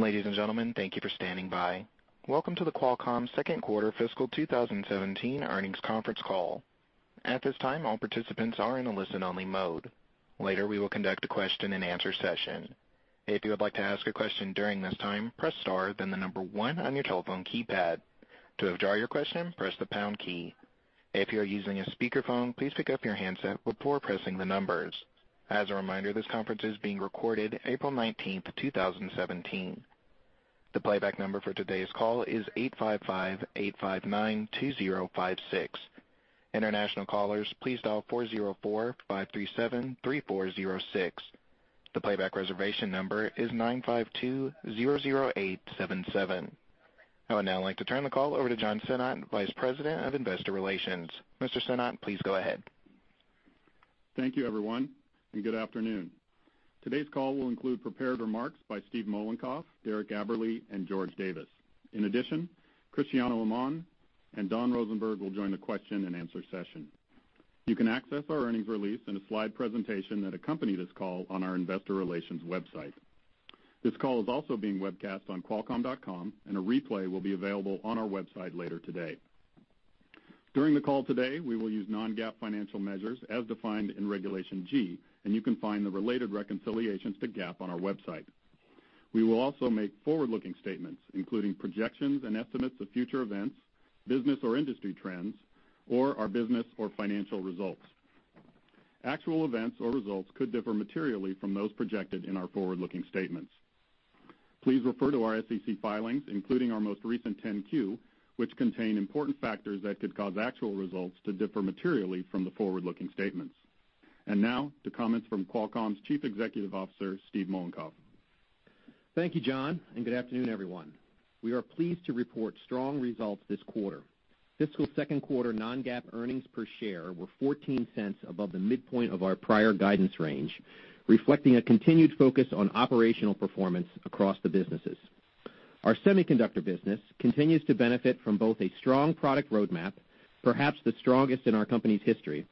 Ladies and gentlemen, thank you for standing by. Welcome to the Qualcomm second quarter fiscal 2017 earnings conference call. At this time, all participants are in a listen-only mode. Later, we will conduct a question-and-answer session. If you would like to ask a question during this time, press star, then the number one on your telephone keypad. To withdraw your question, press the pound key. If you are using a speakerphone, please pick up your handset before pressing the numbers. As a reminder, this conference is being recorded April 19, 2017. The playback number for today's call is 855-859-2056. International callers, please dial 404-537-3406. The playback reservation number is 952-008-77. I would now like to turn the call over to John Sinnott, Vice President of Investor Relations. Mr. Sinnott, please go ahead. Thank you, everyone. Good afternoon. Today's call will include prepared remarks by Steve Mollenkopf, Derek Aberle, and George Davis. In addition, Cristiano Amon and Don Rosenberg will join the question-and-answer session. You can access our earnings release and a slide presentation that accompany this call on our investor relations website. This call is also being webcast on qualcomm.com. A replay will be available on our website later today. During the call today, we will use non-GAAP financial measures as defined in Regulation G. You can find the related reconciliations to GAAP on our website. We will also make forward-looking statements, including projections and estimates of future events, business or industry trends, or our business or financial results. Actual events or results could differ materially from those projected in our forward-looking statements. Please refer to our SEC filings, including our most recent 10-Q, which contain important factors that could cause actual results to differ materially from the forward-looking statements. Now to comments from Qualcomm's Chief Executive Officer, Steve Mollenkopf. Thank you, John. Good afternoon, everyone. We are pleased to report strong results this quarter. Fiscal second quarter non-GAAP earnings per share were $0.14 above the midpoint of our prior guidance range, reflecting a continued focus on operational performance across the businesses. Our semiconductor business continues to benefit from both a strong product roadmap, perhaps the strongest in our company's history,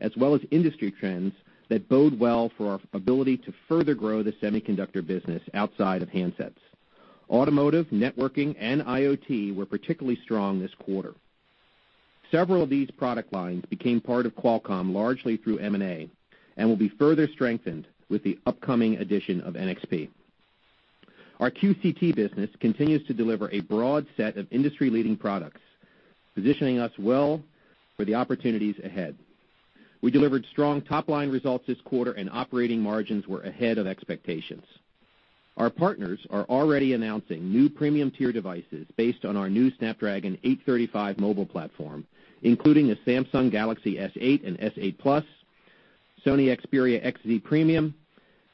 as well as industry trends that bode well for our ability to further grow the semiconductor business outside of handsets. Automotive, networking, and IoT were particularly strong this quarter. Several of these product lines became part of Qualcomm largely through M&A and will be further strengthened with the upcoming addition of NXP. Our QCT business continues to deliver a broad set of industry-leading products, positioning us well for the opportunities ahead. We delivered strong top-line results this quarter. Operating margins were ahead of expectations. Our partners are already announcing new premium-tier devices based on our new Snapdragon 835 mobile platform, including the Samsung Galaxy S8 and S8+, Sony Xperia XZ Premium,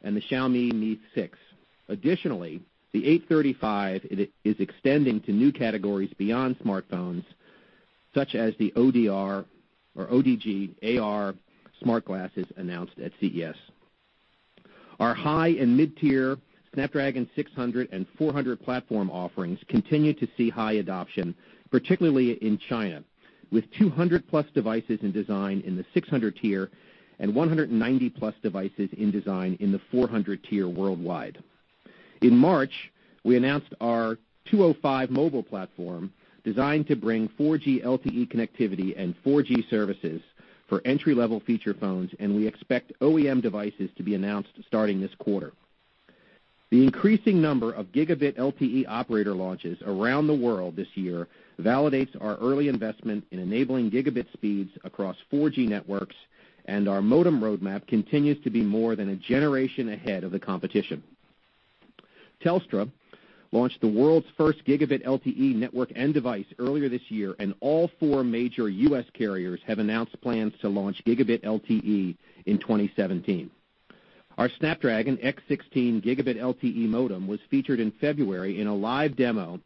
and the Xiaomi Mi 6. Additionally, the 835 is extending to new categories beyond smartphones, such as the ODG AR smart glasses announced at CES. Our high and mid-tier Snapdragon 600 and 400 platform offerings continue to see high adoption, particularly in China, with 200-plus devices in design in the 600 tier and 190-plus devices in design in the 400 tier worldwide. In March, we announced our 205 Mobile Platform designed to bring 4G LTE connectivity and 4G services for entry-level feature phones, and we expect OEM devices to be announced starting this quarter. The increasing number of Gigabit LTE operator launches around the world this year validates our early investment in enabling gigabit speeds across 4G networks. Our modem roadmap continues to be more than a generation ahead of the competition. Telstra launched the world's first Gigabit LTE network end device earlier this year, and all four major U.S. carriers have announced plans to launch Gigabit LTE in 2017. Our Snapdragon X16 Gigabit LTE modem was featured in February in a live demo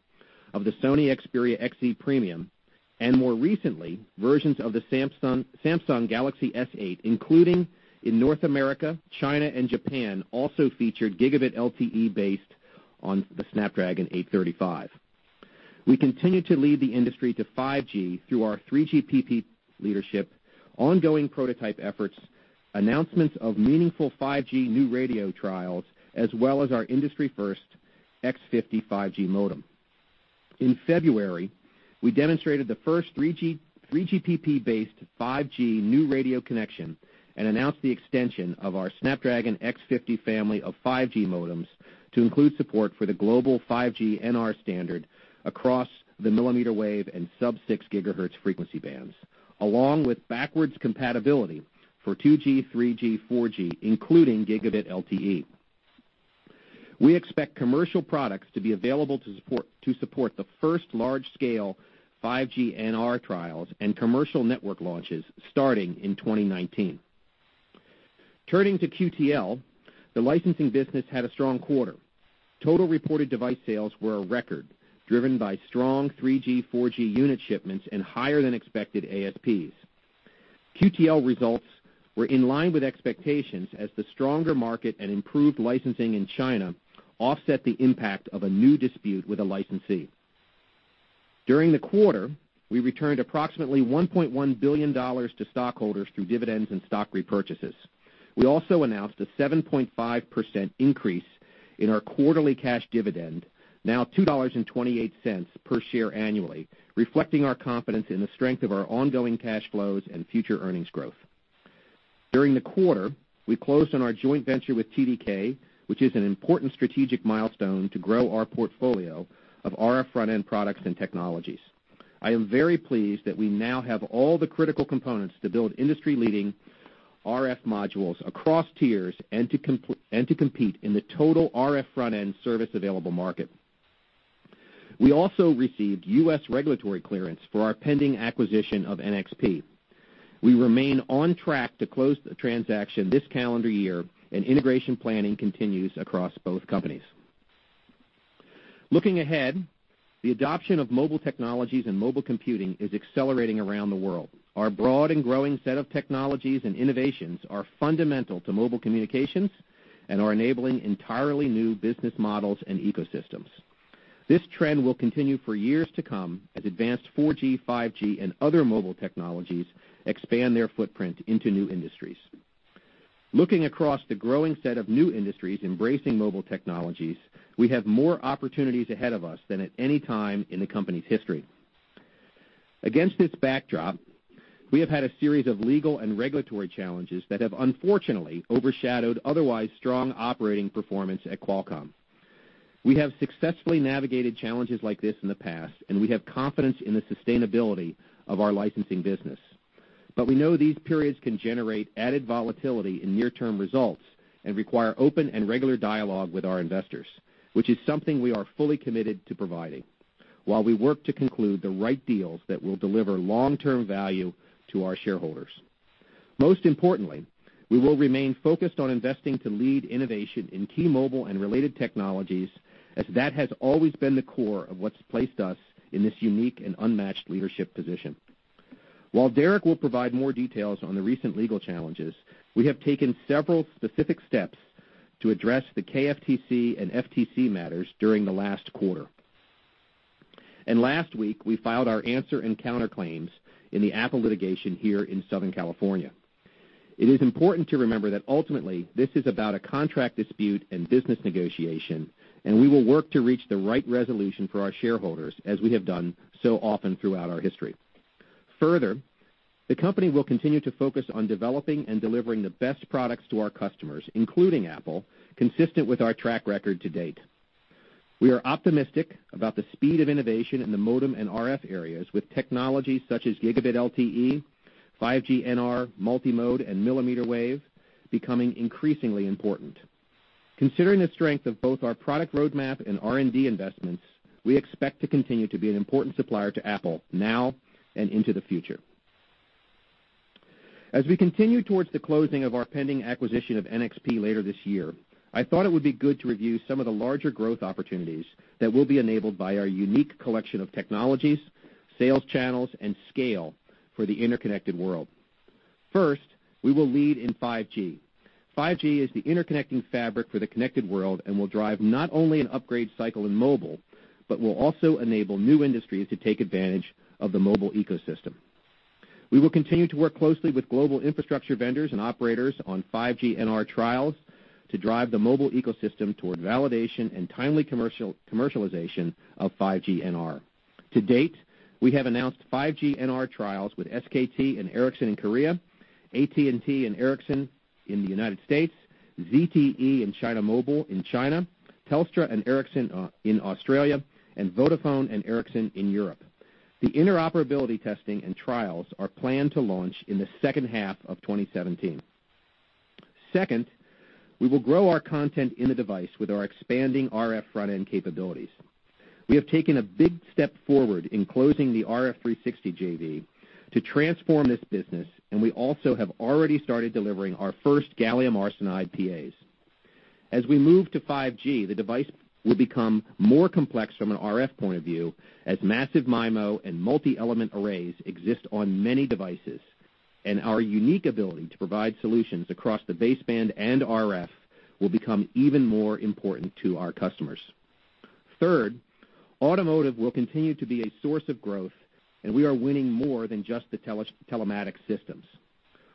of the Sony Xperia XZ Premium, and more recently, versions of the Samsung Galaxy S8, including in North America, China, and Japan, also featured Gigabit LTE based on the Snapdragon 835. We continue to lead the industry to 5G through our 3GPP leadership, ongoing prototype efforts, announcements of meaningful 5G New Radio trials, as well as our industry first X50 5G modem. In February, we demonstrated the first 3GPP-based 5G New Radio connection and announced the extension of our Snapdragon X50 family of 5G modems to include support for the global 5G NR standard across the millimeter wave and sub-6 gigahertz frequency bands, along with backwards compatibility for 2G, 3G, 4G, including Gigabit LTE. We expect commercial products to be available to support the first large-scale 5G NR trials and commercial network launches starting in 2019. Turning to QTL, the licensing business had a strong quarter. Total reported device sales were a record, driven by strong 3G, 4G unit shipments and higher than expected ASPs. QTL results were in line with expectations as the stronger market and improved licensing in China offset the impact of a new dispute with a licensee. During the quarter, we returned approximately $1.1 billion to stockholders through dividends and stock repurchases. We also announced a 7.5% increase in our quarterly cash dividend, now $2.28 per share annually, reflecting our confidence in the strength of our ongoing cash flows and future earnings growth. During the quarter, we closed on our joint venture with TDK, which is an important strategic milestone to grow our portfolio of RF front-end products and technologies. I am very pleased that we now have all the critical components to build industry-leading RF modules across tiers and to compete in the total RF front-end service available market. We also received U.S. regulatory clearance for our pending acquisition of NXP. We remain on track to close the transaction this calendar year, and integration planning continues across both companies. Looking ahead, the adoption of mobile technologies and mobile computing is accelerating around the world. Our broad and growing set of technologies and innovations are fundamental to mobile communications and are enabling entirely new business models and ecosystems. This trend will continue for years to come as advanced 4G, 5G, and other mobile technologies expand their footprint into new industries. Looking across the growing set of new industries embracing mobile technologies, we have more opportunities ahead of us than at any time in the company's history. Against this backdrop, we have had a series of legal and regulatory challenges that have unfortunately overshadowed otherwise strong operating performance at Qualcomm. We have successfully navigated challenges like this in the past, and we have confidence in the sustainability of our licensing business. We know these periods can generate added volatility in near-term results and require open and regular dialogue with our investors, which is something we are fully committed to providing while we work to conclude the right deals that will deliver long-term value to our shareholders. Most importantly, we will remain focused on investing to lead innovation in key mobile and related technologies, as that has always been the core of what's placed us in this unique and unmatched leadership position. While Derek will provide more details on the recent legal challenges, we have taken several specific steps to address the KFTC and FTC matters during the last quarter. Last week, we filed our answer and counterclaims in the Apple litigation here in Southern California. It is important to remember that ultimately, this is about a contract dispute and business negotiation, we will work to reach the right resolution for our shareholders, as we have done so often throughout our history. Further, the company will continue to focus on developing and delivering the best products to our customers, including Apple, consistent with our track record to date. We are optimistic about the speed of innovation in the modem and RF areas with technologies such as Gigabit LTE, 5G NR, multi-mode, and millimeter wave becoming increasingly important. Considering the strength of both our product roadmap and R&D investments, we expect to continue to be an important supplier to Apple now and into the future. As we continue towards the closing of our pending acquisition of NXP later this year, I thought it would be good to review some of the larger growth opportunities that will be enabled by our unique collection of technologies, sales channels, and scale for the interconnected world. First, we will lead in 5G. 5G is the interconnecting fabric for the connected world and will drive not only an upgrade cycle in mobile, but will also enable new industries to take advantage of the mobile ecosystem. We will continue to work closely with global infrastructure vendors and operators on 5G NR trials to drive the mobile ecosystem toward validation and timely commercialization of 5G NR. To date, we have announced 5G NR trials with SKT and Ericsson in Korea, AT&T and Ericsson in the United States, ZTE and China Mobile in China, Telstra and Ericsson in Australia, and Vodafone and Ericsson in Europe. The interoperability testing and trials are planned to launch in the second half of 2017. Second, we will grow our content in the device with our expanding RF front-end capabilities. We have taken a big step forward in closing the RF360 JV to transform this business, and we also have already started delivering our first gallium arsenide PAs. As we move to 5G, the device will become more complex from an RF point of view as massive MIMO and multi-element arrays exist on many devices, and our unique ability to provide solutions across the baseband and RF will become even more important to our customers. Third, automotive will continue to be a source of growth, and we are winning more than just the telematics systems.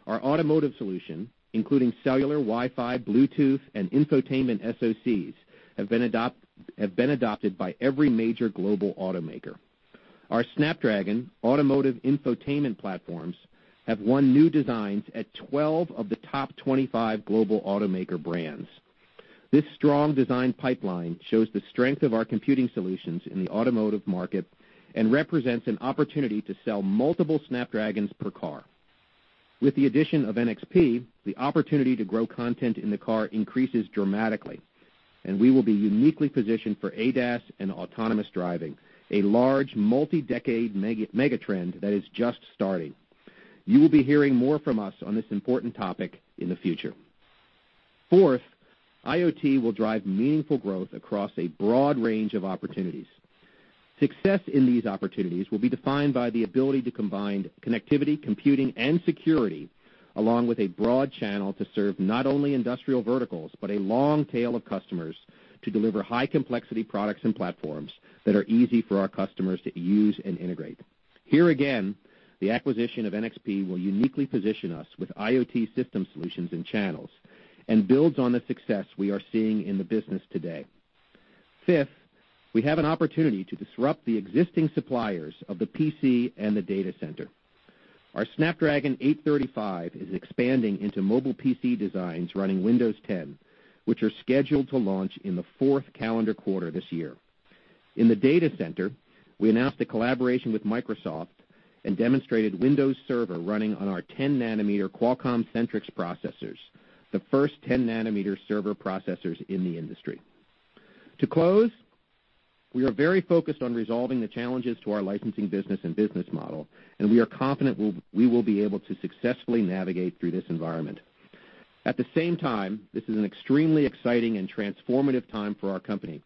Our automotive solution, including cellular, Wi-Fi, Bluetooth, and infotainment SOCs, have been adopted by every major global automaker. Our Snapdragon automotive infotainment platforms have won new designs at 12 of the top 25 global automaker brands. This strong design pipeline shows the strength of our computing solutions in the automotive market and represents an opportunity to sell multiple Snapdragons per car. With the addition of NXP, the opportunity to grow content in the car increases dramatically. We will be uniquely positioned for ADAS and autonomous driving, a large multi-decade megatrend that is just starting. You will be hearing more from us on this important topic in the future. Fourth, IoT will drive meaningful growth across a broad range of opportunities. Success in these opportunities will be defined by the ability to combine connectivity, computing, and security, along with a broad channel to serve not only industrial verticals but a long tail of customers to deliver high-complexity products and platforms that are easy for our customers to use and integrate. Here again, the acquisition of NXP will uniquely position us with IoT system solutions and channels and builds on the success we are seeing in the business today. Fifth, we have an opportunity to disrupt the existing suppliers of the PC and the data center. Our Snapdragon 835 is expanding into mobile PC designs running Windows 10, which are scheduled to launch in the fourth calendar quarter this year. In the data center, we announced a collaboration with Microsoft and demonstrated Windows Server running on our 10 nanometer Qualcomm Centriq processors, the first 10 nanometer server processors in the industry. To close, we are very focused on resolving the challenges to our licensing business and business model. We are confident we will be able to successfully navigate through this environment. At the same time, this is an extremely exciting and transformative time for our company,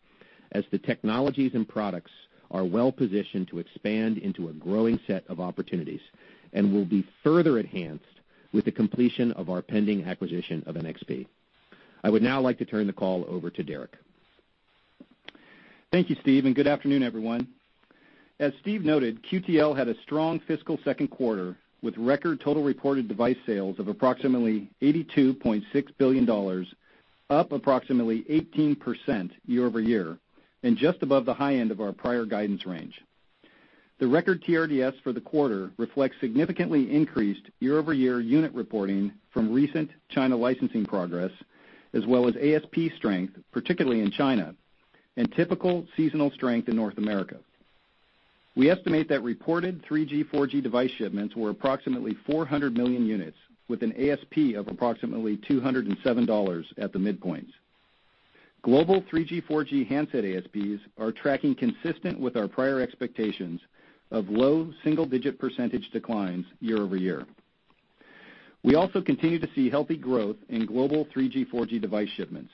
as the technologies and products are well-positioned to expand into a growing set of opportunities and will be further enhanced with the completion of our pending acquisition of NXP. I would now like to turn the call over to Derek. Thank you, Steve, good afternoon, everyone. As Steve noted, QTL had a strong fiscal second quarter with record total reported device sales of approximately $82.6 billion, up approximately 18% year-over-year and just above the high end of our prior guidance range. The record TRDS for the quarter reflects significantly increased year-over-year unit reporting from recent China licensing progress, as well as ASP strength, particularly in China, and typical seasonal strength in North America. We estimate that reported 3G, 4G device shipments were approximately 400 million units, with an ASP of approximately $207 at the midpoint. Global 3G, 4G handset ASPs are tracking consistent with our prior expectations of low single-digit percentage declines year-over-year. We also continue to see healthy growth in global 3G, 4G device shipments.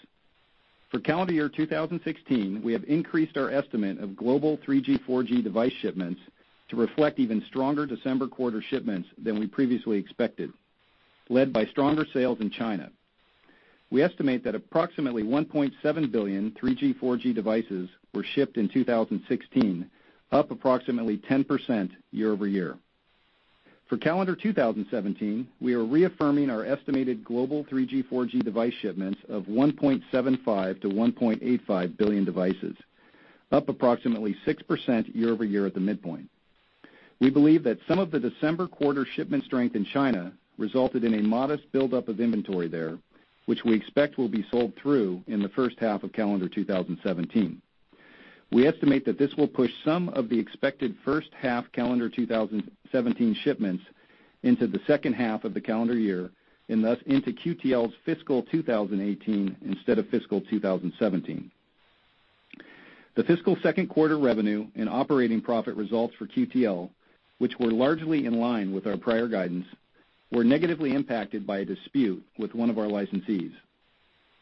For calendar year 2016, we have increased our estimate of global 3G, 4G device shipments to reflect even stronger December quarter shipments than we previously expected, led by stronger sales in China. We estimate that approximately 1.7 billion 3G, 4G devices were shipped in 2016, up approximately 10% year-over-year. For calendar 2017, we are reaffirming our estimated global 3G, 4G device shipments of 1.75 billion-1.85 billion devices, up approximately 6% year-over-year at the midpoint. We believe that some of the December quarter shipment strength in China resulted in a modest buildup of inventory there, which we expect will be sold through in the first half of calendar 2017. We estimate that this will push some of the expected first half calendar 2017 shipments into the second half of the calendar year and thus into QTL's fiscal 2018 instead of fiscal 2017. The fiscal second quarter revenue and operating profit results for QTL, which were largely in line with our prior guidance, were negatively impacted by a dispute with one of our licensees.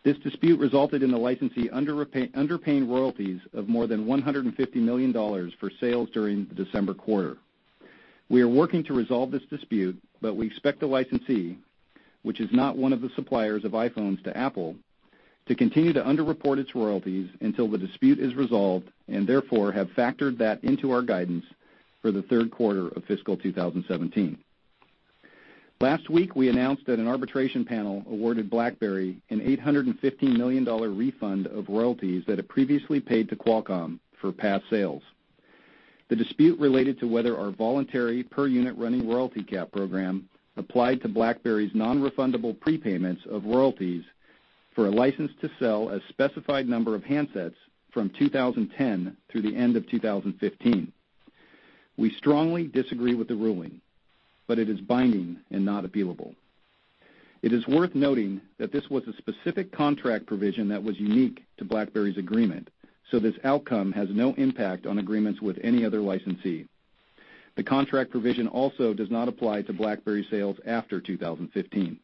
This dispute resulted in the licensee underpaying royalties of more than $150 million for sales during the December quarter. We are working to resolve this dispute, we expect the licensee, which is not one of the suppliers of iPhone to Apple, to continue to underreport its royalties until the dispute is resolved and therefore have factored that into our guidance for the third quarter of fiscal 2017. Last week, we announced that an arbitration panel awarded BlackBerry an $850 million refund of royalties that it previously paid to Qualcomm for past sales. The dispute related to whether our voluntary per-unit running royalty cap program applied to BlackBerry's non-refundable prepayments of royalties for a license to sell a specified number of handsets from 2010 through the end of 2015. We strongly disagree with the ruling, it is binding and not appealable. It is worth noting that this was a specific contract provision that was unique to BlackBerry's agreement, this outcome has no impact on agreements with any other licensee. The contract provision also does not apply to BlackBerry sales after 2015.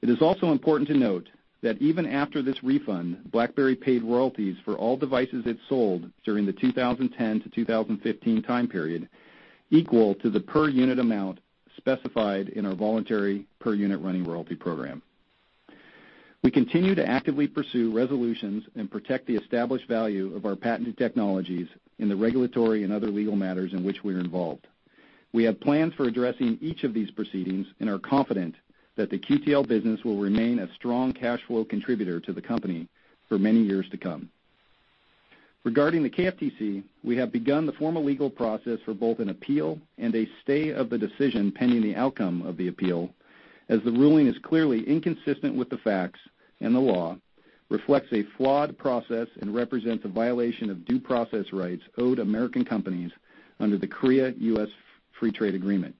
It is also important to note that even after this refund, BlackBerry paid royalties for all devices it sold during the 2010 to 2015 time period, equal to the per-unit amount specified in our voluntary per-unit running royalty program. We continue to actively pursue resolutions and protect the established value of our patented technologies in the regulatory and other legal matters in which we are involved. We have plans for addressing each of these proceedings and are confident that the QTL business will remain a strong cash flow contributor to the company for many years to come. Regarding the KFTC, we have begun the formal legal process for both an appeal and a stay of the decision pending the outcome of the appeal, as the ruling is clearly inconsistent with the facts and the law, reflects a flawed process, and represents a violation of due process rights owed to American companies under the Korea-U.S. Free Trade Agreement.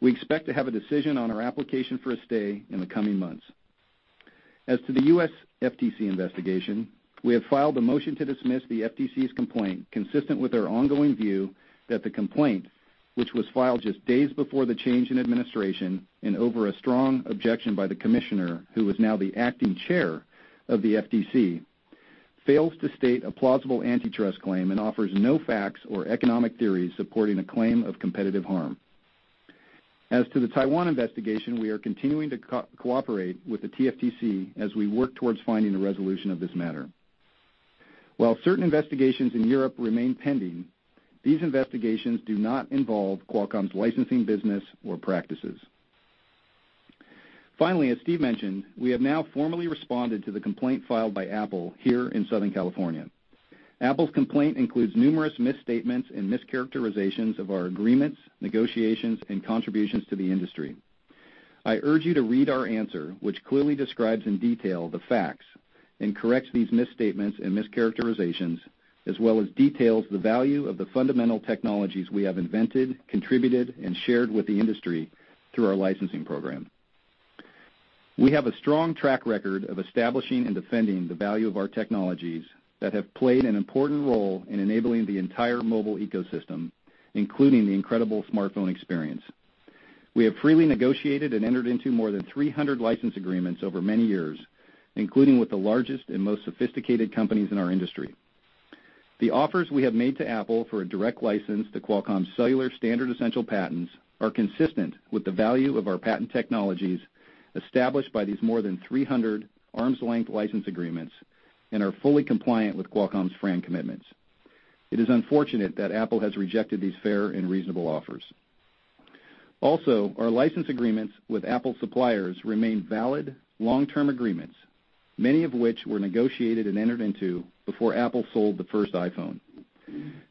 We expect to have a decision on our application for a stay in the coming months. As to the U.S. FTC investigation, we have filed a motion to dismiss the FTC's complaint consistent with our ongoing view that the complaint, which was filed just days before the change in administration and over a strong objection by the commissioner who is now the acting chair of the FTC, fails to state a plausible antitrust claim and offers no facts or economic theories supporting a claim of competitive harm. As to the Taiwan investigation, we are continuing to cooperate with the TFTC as we work towards finding a resolution of this matter. While certain investigations in Europe remain pending, these investigations do not involve Qualcomm's licensing business or practices. Finally, as Steve mentioned, we have now formally responded to the complaint filed by Apple here in Southern California. Apple's complaint includes numerous misstatements and mischaracterizations of our agreements, negotiations, and contributions to the industry. I urge you to read our answer, which clearly describes in detail the facts and corrects these misstatements and mischaracterizations as well as details the value of the fundamental technologies we have invented, contributed, and shared with the industry through our licensing program. We have a strong track record of establishing and defending the value of our technologies that have played an important role in enabling the entire mobile ecosystem, including the incredible smartphone experience. We have freely negotiated and entered into more than 300 license agreements over many years, including with the largest and most sophisticated companies in our industry. The offers we have made to Apple for a direct license to Qualcomm cellular standard essential patents are consistent with the value of our patent technologies established by these more than 300 arm's-length license agreements and are fully compliant with Qualcomm's FRAND commitments. It is unfortunate that Apple has rejected these fair and reasonable offers. Also, our license agreements with Apple suppliers remain valid long-term agreements, many of which were negotiated and entered into before Apple sold the first iPhone.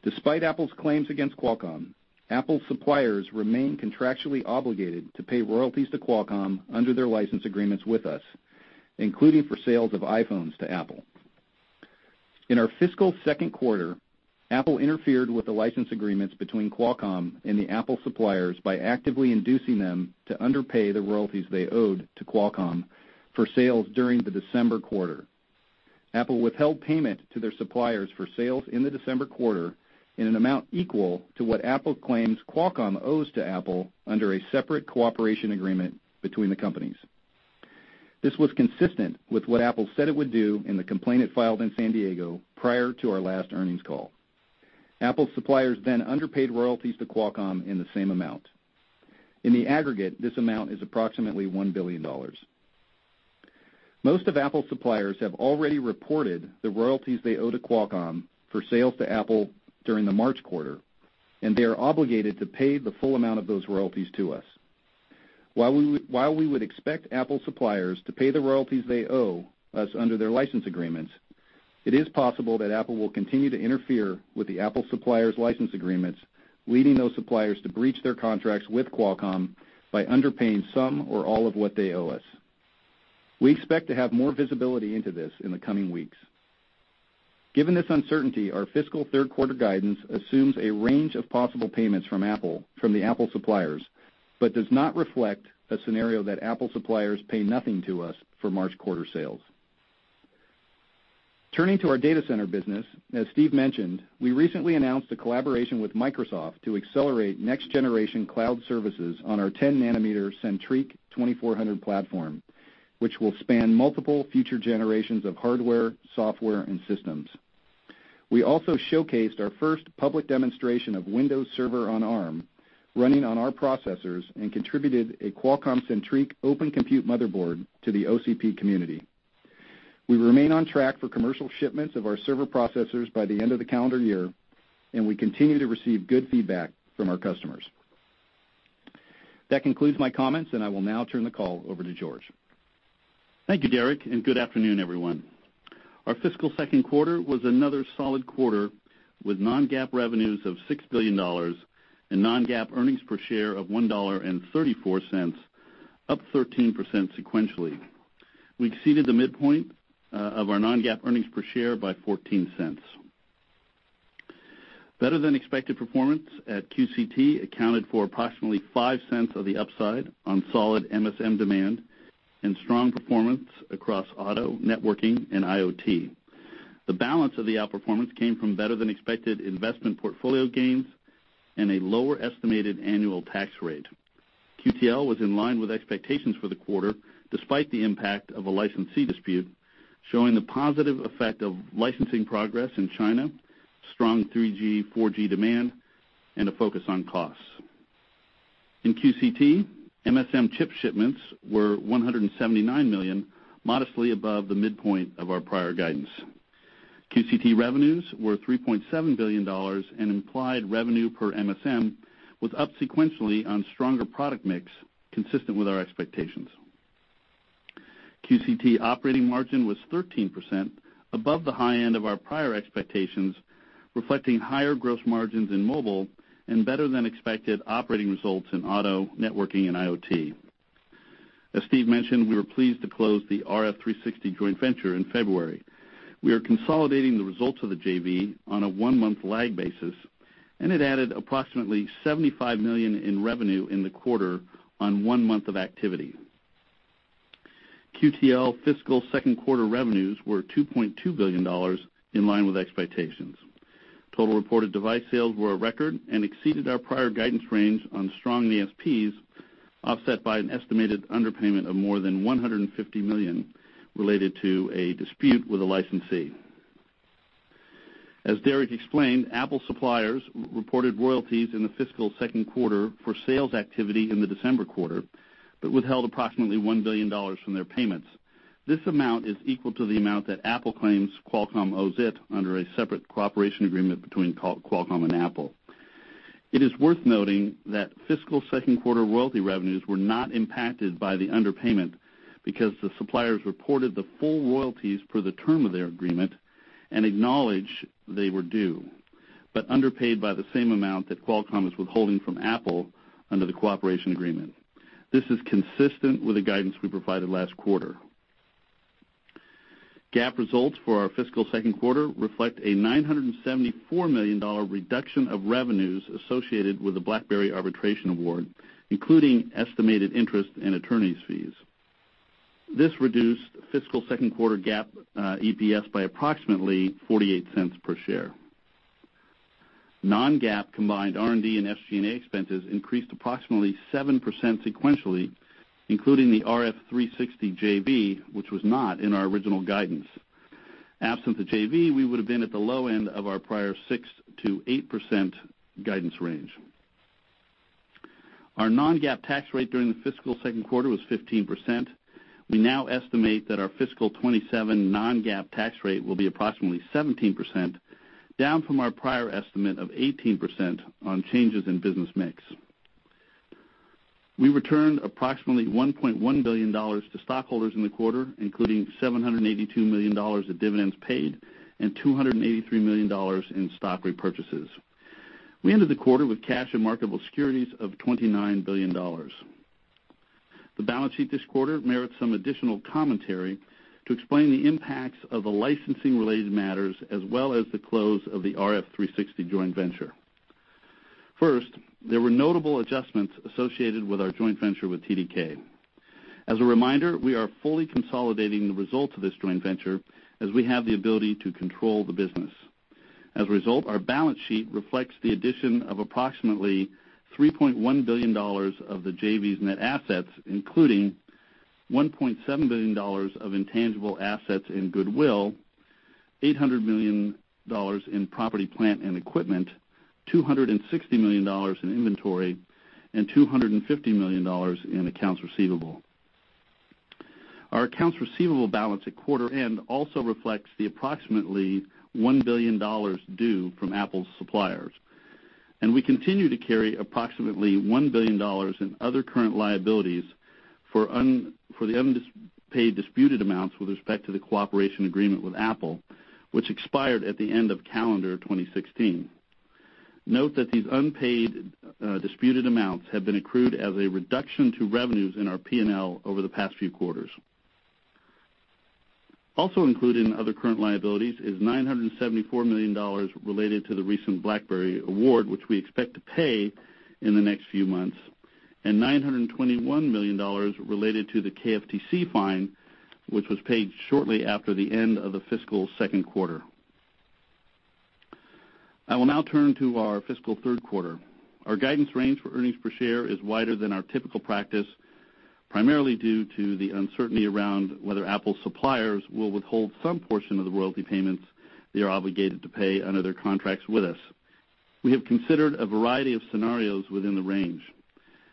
Despite Apple's claims against Qualcomm, Apple suppliers remain contractually obligated to pay royalties to Qualcomm under their license agreements with us, including for sales of iPhones to Apple. In our fiscal second quarter, Apple interfered with the license agreements between Qualcomm and the Apple suppliers by actively inducing them to underpay the royalties they owed to Qualcomm for sales during the December quarter. Apple withheld payment to their suppliers for sales in the December quarter in an amount equal to what Apple claims Qualcomm owes to Apple under a separate cooperation agreement between the companies. This was consistent with what Apple said it would do in the complaint it filed in San Diego prior to our last earnings call. Apple suppliers then underpaid royalties to Qualcomm in the same amount. In the aggregate, this amount is approximately $1 billion. Most of Apple's suppliers have already reported the royalties they owe to Qualcomm for sales to Apple during the March quarter, and they are obligated to pay the full amount of those royalties to us. While we would expect Apple suppliers to pay the royalties they owe us under their license agreements, it is possible that Apple will continue to interfere with the Apple suppliers' license agreements, leading those suppliers to breach their contracts with Qualcomm by underpaying some or all of what they owe us. We expect to have more visibility into this in the coming weeks. Given this uncertainty, our fiscal third-quarter guidance assumes a range of possible payments from the Apple suppliers but does not reflect a scenario that Apple suppliers pay nothing to us for March quarter sales. Turning to our data center business, as Steve mentioned, we recently announced a collaboration with Microsoft to accelerate next-generation cloud services on our 10-nanometer Centriq 2400 platform, which will span multiple future generations of hardware, software, and systems. We also showcased our first public demonstration of Windows Server on Arm running on our processors and contributed a Qualcomm Centriq Open Compute motherboard to the OCP community. We remain on track for commercial shipments of our server processors by the end of the calendar year, and we continue to receive good feedback from our customers. That concludes my comments, and I will now turn the call over to George. Thank you, Derek, and good afternoon, everyone. Our fiscal second quarter was another solid quarter with non-GAAP revenues of $6 billion and non-GAAP earnings per share of $1.34, up 13% sequentially. We exceeded the midpoint of our non-GAAP earnings per share by $0.14. Better-than-expected performance at QCT accounted for approximately $0.05 of the upside on solid MSM demand and strong performance across auto, networking, and IoT. The balance of the outperformance came from better-than-expected investment portfolio gains and a lower estimated annual tax rate. QTL was in line with expectations for the quarter, despite the impact of a licensee dispute, showing the positive effect of licensing progress in China, strong 3G, 4G demand, and a focus on costs. In QCT, MSM chip shipments were 179 million, modestly above the midpoint of our prior guidance. QCT revenues were $3.7 billion, and implied revenue per MSM was up sequentially on stronger product mix, consistent with our expectations. QCT operating margin was 13%, above the high end of our prior expectations, reflecting higher gross margins in mobile and better-than-expected operating results in auto, networking, and IoT. As Steve mentioned, we were pleased to close the RF360 joint venture in February. We are consolidating the results of the JV on a one-month lag basis, and it added approximately $75 million in revenue in the quarter on one month of activity. QTL fiscal second-quarter revenues were $2.2 billion, in line with expectations. Total reported device sales were a record and exceeded our prior guidance range on strong ASPs, offset by an estimated underpayment of more than $150 million related to a dispute with a licensee. As Derek explained, Apple suppliers reported royalties in the fiscal second quarter for sales activity in the December quarter, but withheld approximately $1 billion from their payments. This amount is equal to the amount that Apple claims Qualcomm owes it under a separate cooperation agreement between Qualcomm and Apple. It is worth noting that fiscal second quarter royalty revenues were not impacted by the underpayment because the suppliers reported the full royalties per the term of their agreement and acknowledged they were due, but underpaid by the same amount that Qualcomm is withholding from Apple under the cooperation agreement. This is consistent with the guidance we provided last quarter. GAAP results for our fiscal second quarter reflect a $974 million reduction of revenues associated with the BlackBerry arbitration award, including estimated interest and attorney's fees. This reduced fiscal second quarter GAAP EPS by approximately $0.48 per share. Non-GAAP combined R&D and SG&A expenses increased approximately 7% sequentially, including the RF360 JV, which was not in our original guidance. Absent the JV, we would have been at the low end of our prior 6%-8% guidance range. Our non-GAAP tax rate during the fiscal second quarter was 15%. We now estimate that our fiscal 2017 non-GAAP tax rate will be approximately 17%, down from our prior estimate of 18% on changes in business mix. We returned approximately $1.1 billion to stockholders in the quarter, including $782 million of dividends paid and $283 million in stock repurchases. We ended the quarter with cash and marketable securities of $29 billion. The balance sheet this quarter merits some additional commentary to explain the impacts of the licensing-related matters, as well as the close of the RF360 joint venture. First, there were notable adjustments associated with our joint venture with TDK. As a reminder, we are fully consolidating the results of this joint venture as we have the ability to control the business. As a result, our balance sheet reflects the addition of approximately $3.1 billion of the JV's net assets, including $1.7 billion of intangible assets in goodwill, $800 million in property, plant, and equipment, $260 million in inventory, and $250 million in accounts receivable. Our accounts receivable balance at quarter end also reflects the approximately $1 billion due from Apple's suppliers, and we continue to carry approximately $1 billion in other current liabilities for the unpaid disputed amounts with respect to the cooperation agreement with Apple, which expired at the end of calendar 2016. Note that these unpaid disputed amounts have been accrued as a reduction to revenues in our P&L over the past few quarters. Also included in other current liabilities is $974 million related to the recent BlackBerry award, which we expect to pay in the next few months, and $921 million related to the KFTC fine, which was paid shortly after the end of the fiscal second quarter. I will now turn to our fiscal third quarter. Our guidance range for earnings per share is wider than our typical practice, primarily due to the uncertainty around whether Apple suppliers will withhold some portion of the royalty payments they are obligated to pay under their contracts with us. We have considered a variety of scenarios within the range.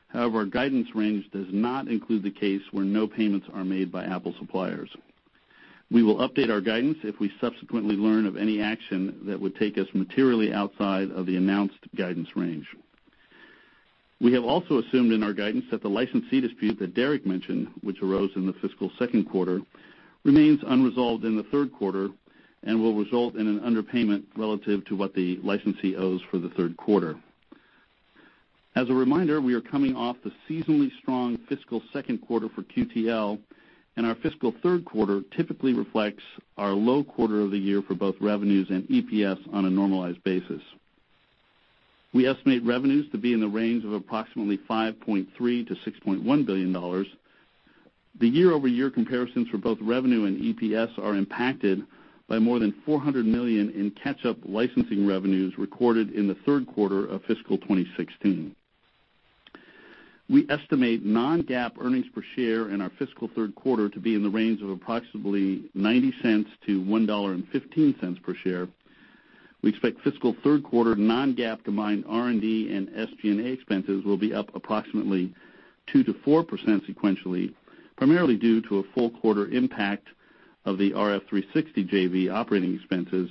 However, our guidance range does not include the case where no payments are made by Apple suppliers. We will update our guidance if we subsequently learn of any action that would take us materially outside of the announced guidance range. We have also assumed in our guidance that the licensee dispute that Derek mentioned, which arose in the fiscal second quarter, remains unresolved in the third quarter and will result in an underpayment relative to what the licensee owes for the third quarter. As a reminder, we are coming off the seasonally strong fiscal second quarter for QTL, and our fiscal third quarter typically reflects our low quarter of the year for both revenues and EPS on a normalized basis. We estimate revenues to be in the range of approximately $5.3 billion-$6.1 billion. The year-over-year comparisons for both revenue and EPS are impacted by more than $400 million in catch-up licensing revenues recorded in the third quarter of fiscal 2016. We estimate non-GAAP earnings per share in our fiscal third quarter to be in the range of approximately $0.90-$1.15 per share. We expect fiscal third quarter non-GAAP combined R&D and SG&A expenses will be up approximately 2%-4% sequentially, primarily due to a full quarter impact of the RF360 JV operating expenses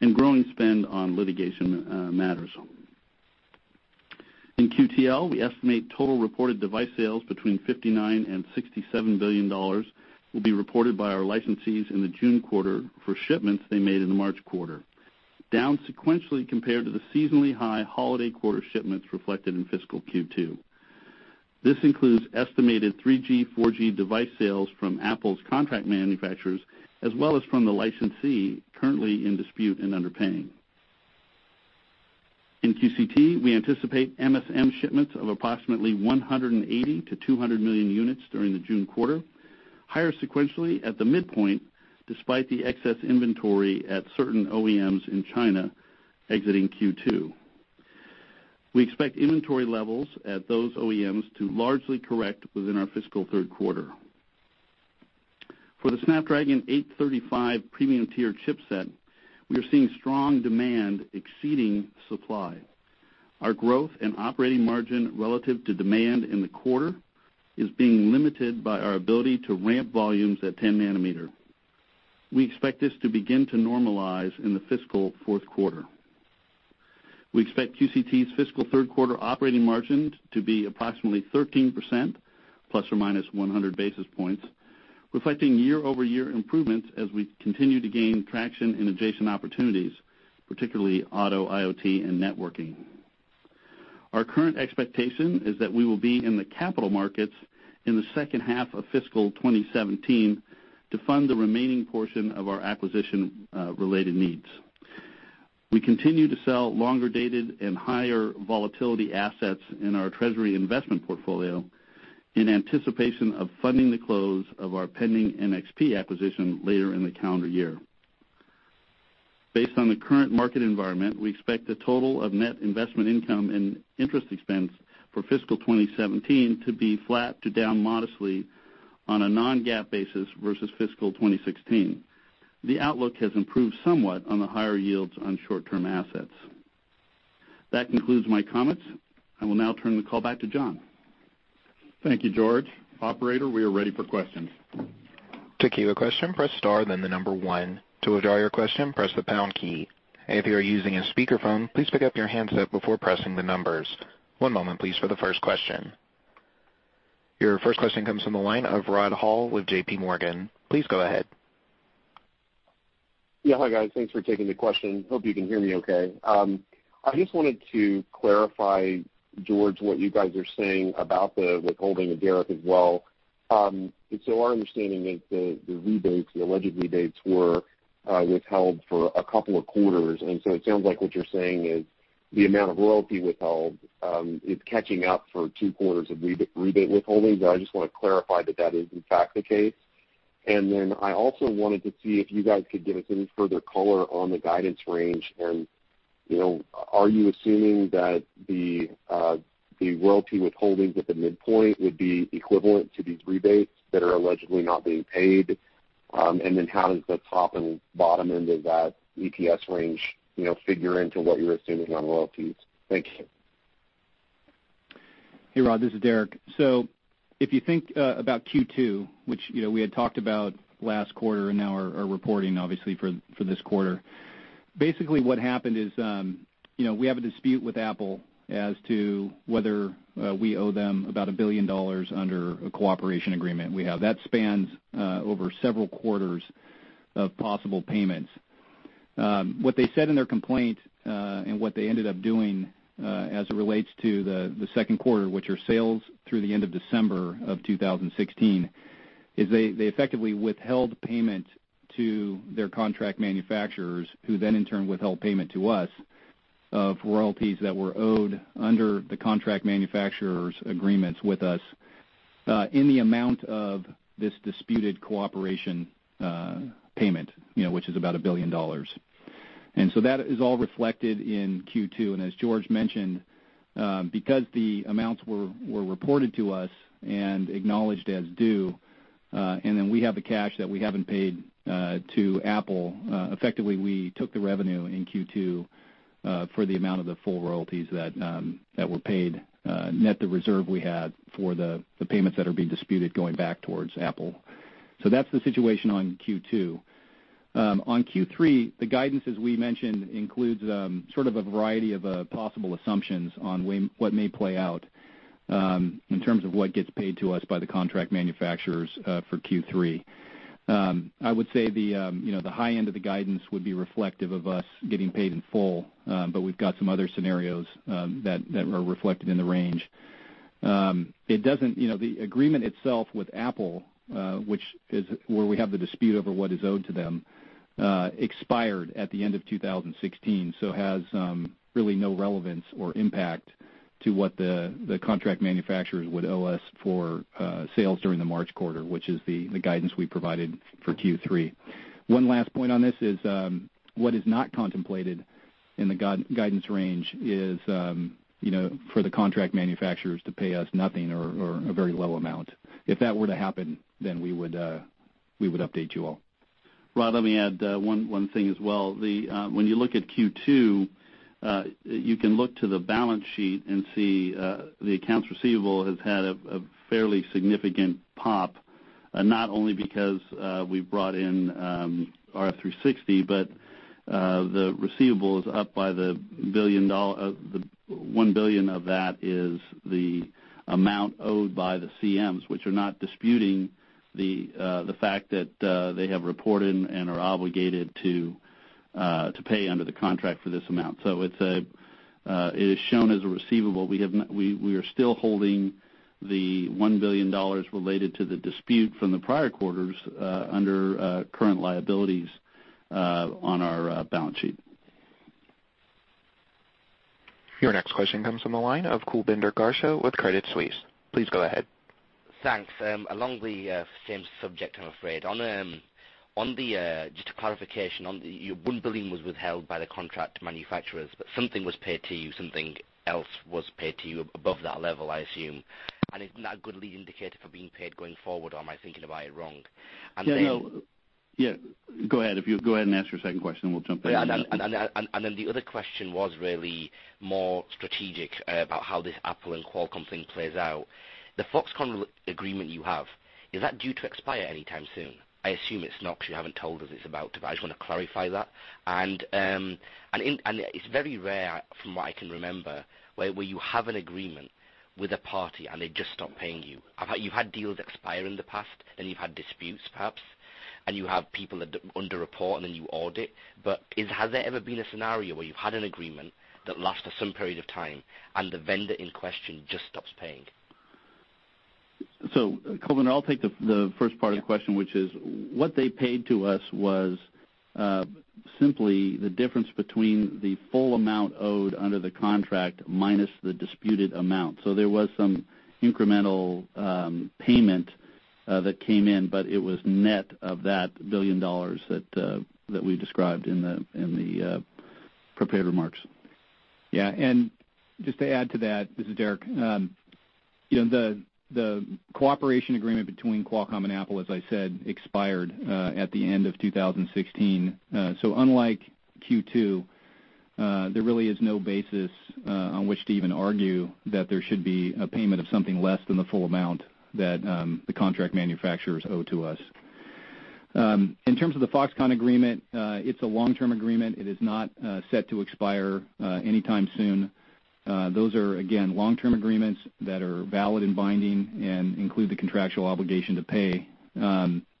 and growing spend on litigation matters. In QTL, we estimate total reported device sales between $59 billion and $67 billion will be reported by our licensees in the June quarter for shipments they made in the March quarter, down sequentially compared to the seasonally high holiday quarter shipments reflected in fiscal Q2. This includes estimated 3G, 4G device sales from Apple's contract manufacturers, as well as from the licensee currently in dispute and underpaying. In QCT, we anticipate MSM shipments of approximately 180 million-200 million units during the June quarter, higher sequentially at the midpoint, despite the excess inventory at certain OEMs in China exiting Q2. We expect inventory levels at those OEMs to largely correct within our fiscal third quarter. For the Snapdragon 835 premium tier chipset, we are seeing strong demand exceeding supply. Our growth and operating margin relative to demand in the quarter is being limited by our ability to ramp volumes at 10 nanometer. We expect this to begin to normalize in the fiscal fourth quarter. We expect QCT's fiscal third quarter operating margin to be approximately 13%, ±100 basis points, reflecting year-over-year improvements as we continue to gain traction in adjacent opportunities, particularly auto, IoT, and networking. Our current expectation is that we will be in the capital markets in the second half of fiscal 2017 to fund the remaining portion of our acquisition-related needs. We continue to sell longer-dated and higher volatility assets in our treasury investment portfolio in anticipation of funding the close of our pending NXP acquisition later in the calendar year. Based on the current market environment, we expect the total of net investment income and interest expense for fiscal 2017 to be flat to down modestly on a non-GAAP basis versus fiscal 2016. The outlook has improved somewhat on the higher yields on short-term assets. That concludes my comments. I will now turn the call back to John. Thank you, George. Operator, we are ready for questions. To queue a question, press star, then the number one. To withdraw your question, press the pound key. If you are using a speakerphone, please pick up your handset before pressing the numbers. One moment, please, for the first question. Your first question comes from the line of Rod Hall with J.P. Morgan. Please go ahead. Hi, guys. Thanks for taking the question. Hope you can hear me okay. I just wanted to clarify, George, what you guys are saying about the withholding of Derek as well. Our understanding is the rebates, the alleged rebates, were withheld for a couple of quarters. It sounds like what you're saying is the amount of royalty withheld is catching up for two quarters of rebate withholding, I just want to clarify that that is in fact the case. I also wanted to see if you guys could give us any further color on the guidance range and are you assuming that the royalty withholdings at the midpoint would be equivalent to these rebates that are allegedly not being paid? How does the top and bottom end of that EPS range figure into what you're assuming on royalties? Thank you. Hey, Rod. This is Derek. If you think about Q2, which we had talked about last quarter and now are reporting obviously for this quarter, basically what happened is we have a dispute with Apple as to whether we owe them about $1 billion under a cooperation agreement we have. That spans over several quarters of possible payments. What they said in their complaint, and what they ended up doing, as it relates to the second quarter, which are sales through the end of December 2016, is they effectively withheld payment to their contract manufacturers, who then in turn withheld payment to us of royalties that were owed under the contract manufacturers' agreements with us in the amount of this disputed cooperation payment, which is about $1 billion. That is all reflected in Q2. As George mentioned, because the amounts were reported to us and acknowledged as due, we have the cash that we haven't paid to Apple. Effectively, we took the revenue in Q2 for the amount of the full royalties that were paid net the reserve we had for the payments that are being disputed going back towards Apple. That's the situation on Q2. On Q3, the guidance, as we mentioned, includes a variety of possible assumptions on what may play out in terms of what gets paid to us by the contract manufacturers for Q3. I would say the high end of the guidance would be reflective of us getting paid in full, but we've got some other scenarios that are reflected in the range. The agreement itself with Apple, which is where we have the dispute over what is owed to them, expired at the end of 2016, has really no relevance or impact to what the contract manufacturers would owe us for sales during the March quarter, which is the guidance we provided for Q3. One last point on this is what is not contemplated in the guidance range is for the contract manufacturers to pay us nothing or a very low amount. If that were to happen, we would update you all. Rod, let me add one thing as well. When you look at Q2, you can look to the balance sheet and see the accounts receivable has had a fairly significant pop, not only because we brought in RF360, but the receivable is up by the $1 billion of that is the amount owed by the CMs, which are not disputing the fact that they have reported and are obligated to pay under the contract for this amount. It is shown as a receivable. We are still holding the $1 billion related to the dispute from the prior quarters under current liabilities on our balance sheet. Your next question comes from the line of Kulbinder Garcha with Credit Suisse. Please go ahead. Thanks. Along the same subject, I'm afraid. Just a clarification, $1 billion was withheld by the contract manufacturers, something was paid to you, something else was paid to you above that level, I assume. Isn't that a good lead indicator for being paid going forward, or am I thinking about it wrong? Yeah. Go ahead and ask your second question, and we'll jump in. Yeah. The other question was really more strategic about how this Apple and Qualcomm thing plays out. The Foxconn agreement you have, is that due to expire anytime soon? I assume it's not, because you haven't told us it's about to, I just want to clarify that. It's very rare, from what I can remember, where you have an agreement with a party and they just stop paying you. You've had deals expire in the past, and you've had disputes, perhaps, and you have people under report, and then you audit. Has there ever been a scenario where you've had an agreement that lasted some period of time, and the vendor in question just stops paying? Kulbinder, I'll take the first part of the question, which is, what they paid to us was simply the difference between the full amount owed under the contract minus the disputed amount. There was some incremental payment that came in, but it was net of that $ billion that we described in the prepared remarks. Yeah. Just to add to that, this is Derek. The cooperation agreement between Qualcomm and Apple, as I said, expired at the end of 2016. Unlike Q2, there really is no basis on which to even argue that there should be a payment of something less than the full amount that the contract manufacturers owe to us. In terms of the Foxconn agreement, it is a long-term agreement. It is not set to expire anytime soon. Those are, again, long-term agreements that are valid and binding and include the contractual obligation to pay.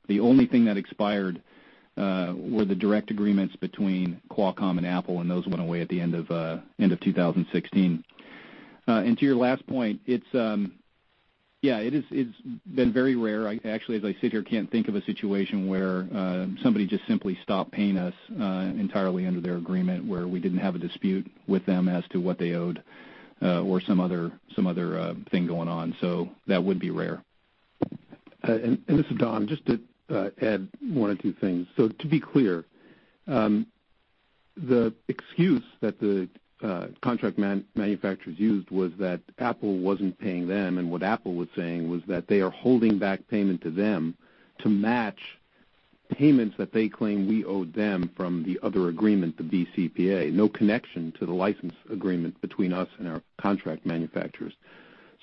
The only thing that expired were the direct agreements between Qualcomm and Apple, and those went away at the end of 2016. To your last point, yeah, it's been very rare. I actually, as I sit here, can't think of a situation where somebody just simply stopped paying us entirely under their agreement, where we didn't have a dispute with them as to what they owed or some other thing going on. That would be rare. This is Don. Just to add one or two things. To be clear, the excuse that the contract manufacturers used was that Apple wasn't paying them, and what Apple was saying was that they are holding back payment to them to match payments that they claim we owed them from the other agreement, the BCPA. No connection to the license agreement between us and our contract manufacturers.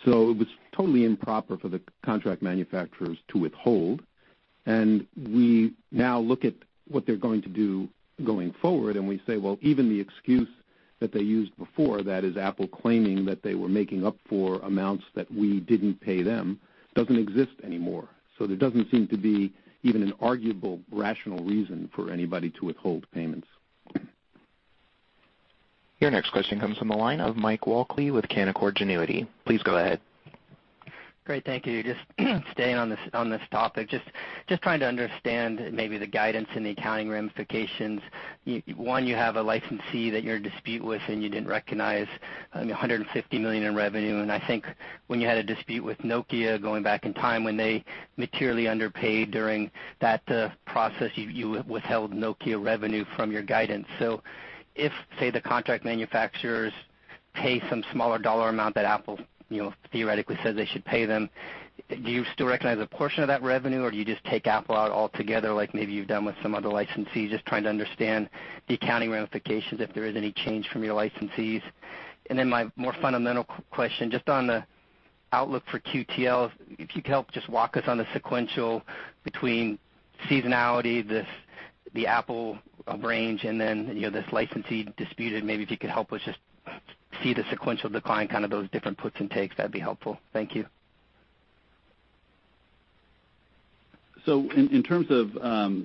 It was totally improper for the contract manufacturers to withhold. We now look at what they're going to do going forward, and we say, well, even the excuse that they used before, that is Apple claiming that they were making up for amounts that we didn't pay them, doesn't exist anymore. There doesn't seem to be even an arguable, rational reason for anybody to withhold payments. Your next question comes from the line of Mike Walkley with Canaccord Genuity. Please go ahead. Great, thank you. Staying on this topic. Trying to understand maybe the guidance and the accounting ramifications. One, you have a licensee that you're in dispute with, you didn't recognize $150 million in revenue. I think when you had a dispute with Nokia going back in time, when they materially underpaid during that process, you withheld Nokia revenue from your guidance. If, say, the contract manufacturers pay some smaller dollar amount that Apple theoretically says they should pay them, do you still recognize a portion of that revenue, or do you just take Apple out altogether, like maybe you've done with some other licensees? Trying to understand the accounting ramifications, if there is any change from your licensees. My more fundamental question, just on the outlook for QTL, if you could help just walk us on the sequential between seasonality, the Apple range, and this licensee dispute. Maybe if you could help us just see the sequential decline, those different puts and takes, that'd be helpful. Thank you. In terms of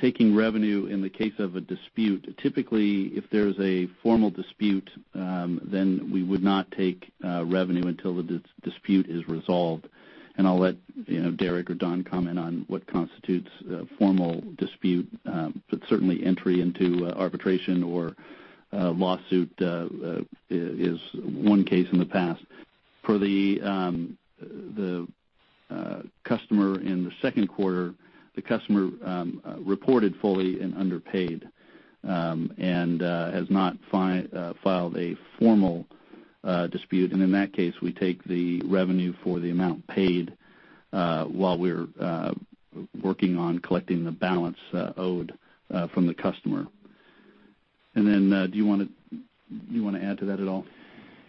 taking revenue in the case of a dispute, typically, if there's a formal dispute, then we would not take revenue until the dispute is resolved. I'll let Derek or Don comment on what constitutes a formal dispute. Certainly entry into arbitration or lawsuit is one case in the past. For the customer in the second quarter, the customer reported fully and underpaid and has not filed a formal dispute, and in that case, we take the revenue for the amount paid while we're working on collecting the balance owed from the customer. Do you want to add to that at all?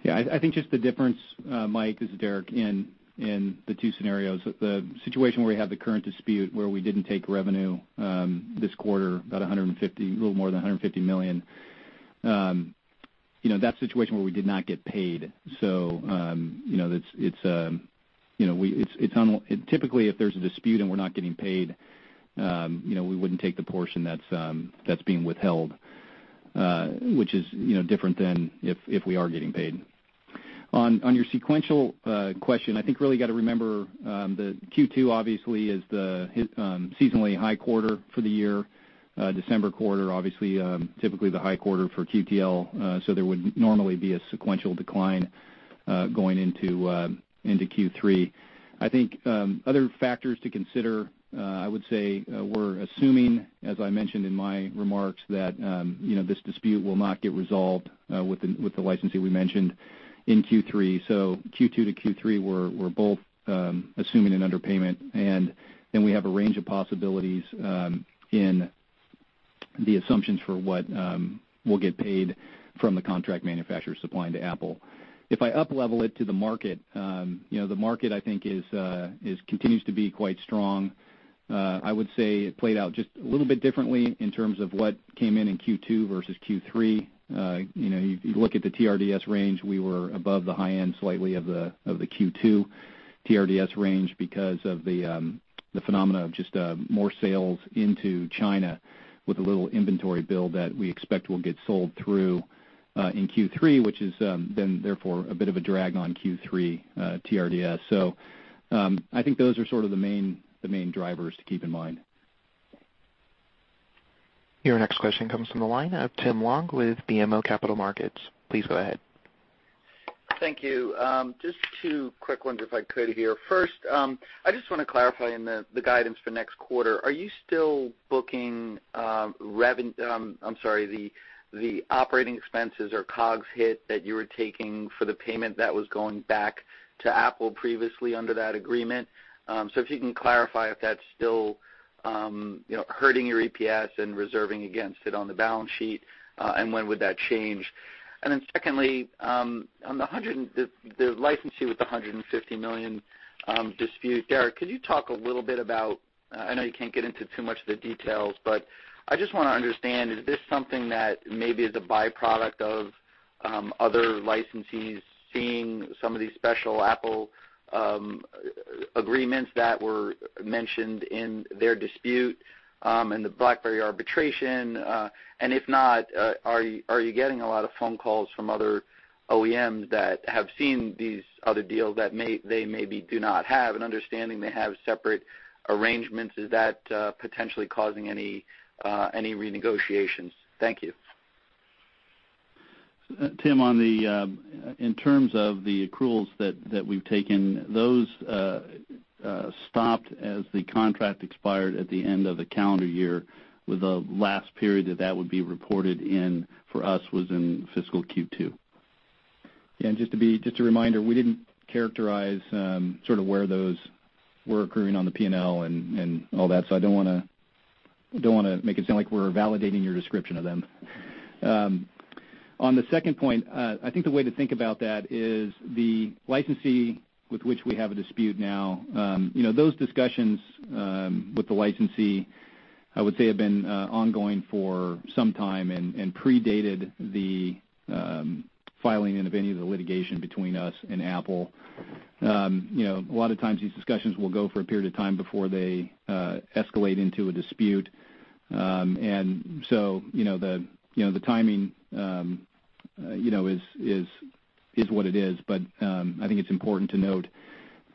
Yeah. I think just the difference, Mike, this is Derek, in the two scenarios. The situation where we have the current dispute, where we didn't take revenue this quarter, a little more than $150 million, that's a situation where we did not get paid. Typically, if there's a dispute and we're not getting paid, we wouldn't take the portion that's being withheld, which is different than if we are getting paid. On your sequential question, I think really got to remember that Q2 obviously is the seasonally high quarter for the year. December quarter, obviously, typically the high quarter for QTL, there would normally be a sequential decline going into Q3. I think other factors to consider, I would say we're assuming, as I mentioned in my remarks, that this dispute will not get resolved with the licensee we mentioned in Q3. Q2 to Q3, we're both assuming an underpayment, and then we have a range of possibilities in the assumptions for what we'll get paid from the contract manufacturer supplying to Apple. If I uplevel it to the market, the market, I think, continues to be quite strong. I would say it played out just a little bit differently in terms of what came in in Q2 versus Q3. You look at the TRDS range, we were above the high end slightly of the Q2 TRDS range because of the phenomena of just more sales into China with a little inventory build that we expect will get sold through in Q3, which is then therefore a bit of a drag on Q3 TRDS. I think those are sort of the main drivers to keep in mind. Your next question comes from the line of Tim Long with BMO Capital Markets. Please go ahead. Thank you. Just two quick ones if I could here. First, I just want to clarify in the guidance for next quarter, are you still booking the operating expenses or COGS hit that you were taking for the payment that was going back to Apple previously under that agreement? If you can clarify if that's still hurting your EPS and reserving against it on the balance sheet, and when would that change? Secondly, the licensee with the $150 million dispute, Derek, could you talk a little bit about, I know you can't get into too much of the details, but I just want to understand, is this something that maybe is a byproduct of other licensees seeing some of these special Apple agreements that were mentioned in their dispute in the BlackBerry arbitration? If not, are you getting a lot of phone calls from other OEMs that have seen these other deals that they maybe do not have an understanding they have separate arrangements? Is that potentially causing any renegotiations? Thank you. Tim, in terms of the accruals that we've taken, those stopped as the contract expired at the end of the calendar year, with the last period that would be reported in for us was in fiscal Q2. Just a reminder, we didn't characterize sort of where those were accruing on the P&L and all that, so I don't want to make it sound like we're validating your description of them. On the second point, I think the way to think about that is the licensee with which we have a dispute now, those discussions with the licensee, I would say, have been ongoing for some time and predated the filing of any of the litigation between us and Apple. A lot of times these discussions will go for a period of time before they escalate into a dispute. The timing is what it is, but I think it's important to note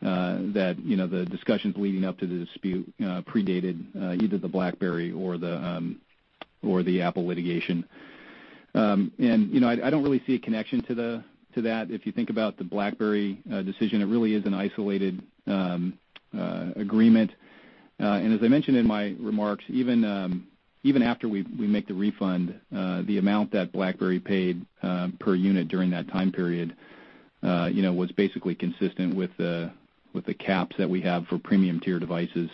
that the discussions leading up to the dispute predated either the BlackBerry or the Apple litigation. I don't really see a connection to that. If you think about the BlackBerry decision, it really is an isolated agreement. As I mentioned in my remarks, even after we make the refund, the amount that BlackBerry paid per unit during that time period was basically consistent with the caps that we have for premium-tier devices.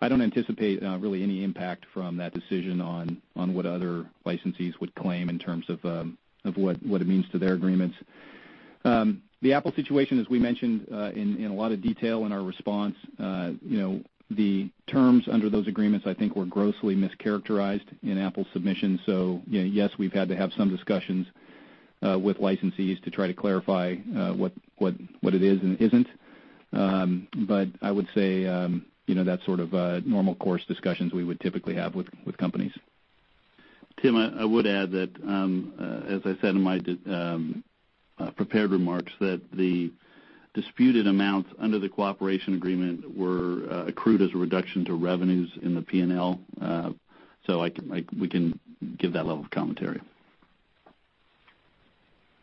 I don't anticipate really any impact from that decision on what other licensees would claim in terms of what it means to their agreements. The Apple situation, as we mentioned in a lot of detail in our response, the terms under those agreements, I think, were grossly mischaracterized in Apple's submission. Yes, we've had to have some discussions with licensees to try to clarify what it is and isn't. I would say that's sort of normal course discussions we would typically have with companies. Tim, I would add that, as I said in my prepared remarks, that the disputed amounts under the cooperation agreement were accrued as a reduction to revenues in the P&L. We can give that level of commentary.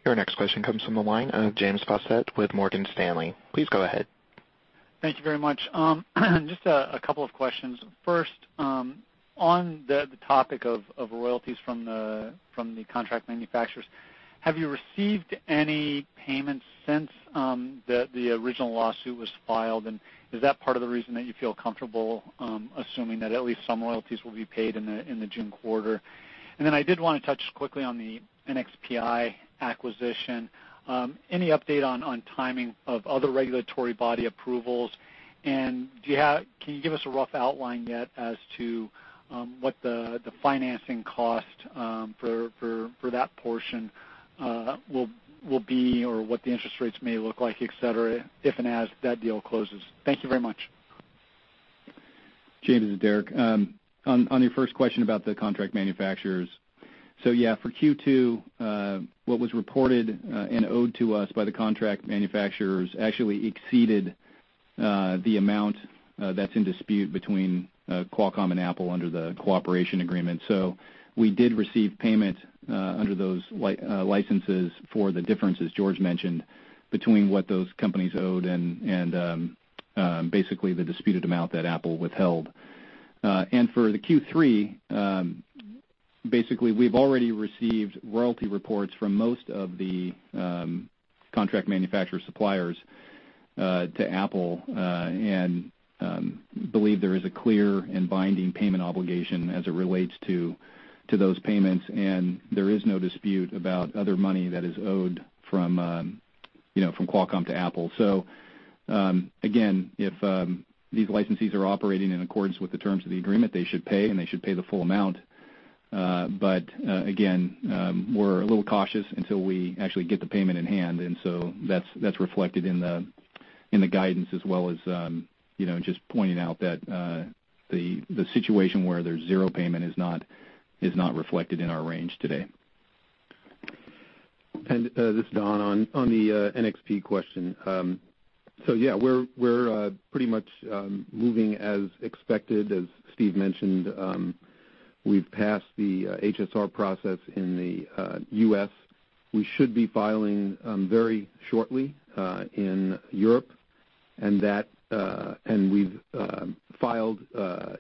Your next question comes from the line of James Faucette with Morgan Stanley. Please go ahead. Thank you very much. Just a couple of questions. First, on the topic of royalties from the contract manufacturers, have you received any payments since the original lawsuit was filed, is that part of the reason that you feel comfortable assuming that at least some royalties will be paid in the June quarter? I did want to touch quickly on the NXP acquisition. Any update on timing of other regulatory body approvals? Can you give us a rough outline yet as to what the financing cost for that portion will be or what the interest rates may look like, et cetera, if and as that deal closes? Thank you very much. James, this is Derek. On your first question about the contract manufacturers. Yeah, for Q2, what was reported and owed to us by the contract manufacturers actually exceeded the amount that's in dispute between Qualcomm and Apple under the cooperation agreement. We did receive payment under those licenses for the difference, as George mentioned, between what those companies owed and basically the disputed amount that Apple withheld. For the Q3, basically we've already received royalty reports from most of the contract manufacturer suppliers to Apple, and believe there is a clear and binding payment obligation as it relates to those payments, and there is no dispute about other money that is owed from Qualcomm to Apple. Again, if these licensees are operating in accordance with the terms of the agreement, they should pay, and they should pay the full amount. Again, we're a little cautious until we actually get the payment in hand. That's reflected in the guidance as well as just pointing out that the situation where there's zero payment is not reflected in our range today. This is Don, on the NXP question. Yeah, we're pretty much moving as expected, as Steve mentioned. We've passed the HSR process in the U.S. We should be filing very shortly in Europe. We've filed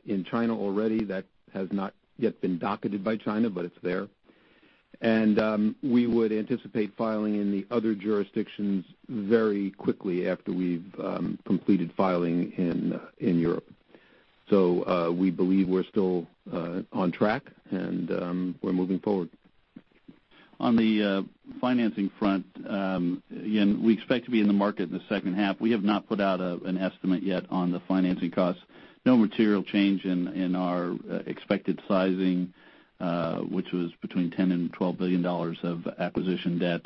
in China already. That has not yet been docketed by China, but it's there. We would anticipate filing in the other jurisdictions very quickly after we've completed filing in Europe. We believe we're still on track and we're moving forward. On the financing front, again, we expect to be in the market in the second half. We have not put out an estimate yet on the financing costs. No material change in our expected sizing, which was between $10 billion and $12 billion of acquisition debt.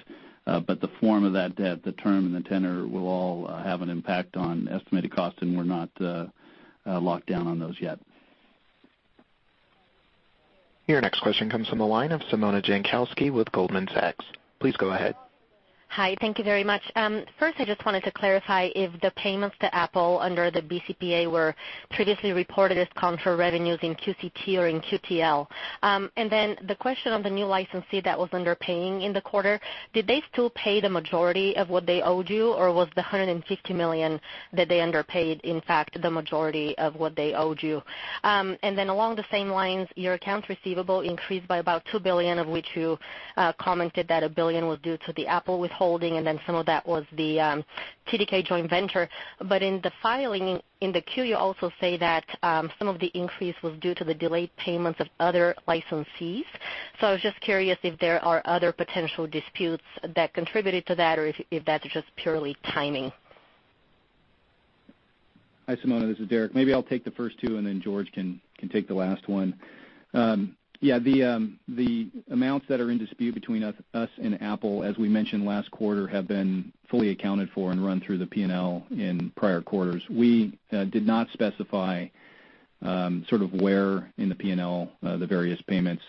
The form of that debt, the term, and the tenor will all have an impact on estimated cost, and we're not locked down on those yet. Your next question comes from the line of Simona Jankowski with Goldman Sachs. Please go ahead. Hi. Thank you very much. First, I just wanted to clarify if the payments to Apple under the BCPA were previously reported as contra revenues in QCT or in QTL? The question on the new licensee that was underpaying in the quarter, did they still pay the majority of what they owed you, or was the $150 million that they underpaid, in fact, the majority of what they owed you? Along the same lines, your accounts receivable increased by about $2 billion, of which you commented that $1 billion was due to the Apple withholding, and some of that was the TDK joint venture. In the filing, in the Q, you also say that some of the increase was due to the delayed payments of other licensees. I was just curious if there are other potential disputes that contributed to that, or if that's just purely timing. Hi, Simona. This is Derek. Maybe I'll take the first two, and then George can take the last one. Yeah, the amounts that are in dispute between us and Apple, as we mentioned last quarter, have been fully accounted for and run through the P&L in prior quarters. We did not specify sort of where in the P&L the various payments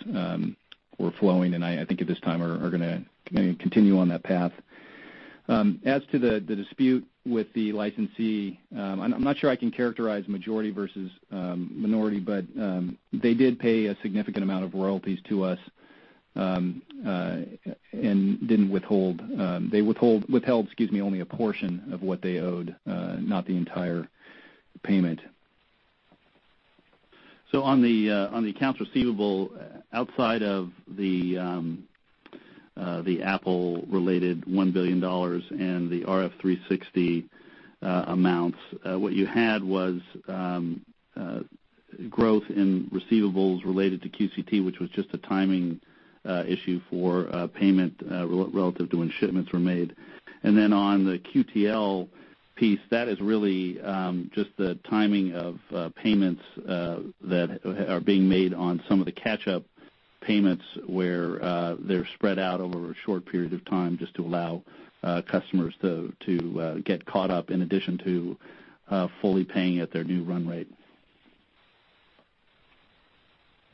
were flowing, and I think at this time are going to continue on that path. As to the dispute with the licensee, I'm not sure I can characterize majority versus minority, but they did pay a significant amount of royalties to us, and didn't withhold. They withheld only a portion of what they owed, not the entire payment. On the accounts receivable, outside of the Apple-related $1 billion and the RF360 amounts, what you had was growth in receivables related to QCT, which was just a timing issue for payment relative to when shipments were made. On the QTL piece, that is really just the timing of payments that are being made on some of the catch-up payments, where they're spread out over a short period of time just to allow customers to get caught up, in addition to fully paying at their new run rate.